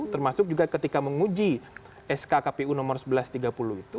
termasuk juga ketika menguji sk kpu nomor seribu satu ratus tiga puluh itu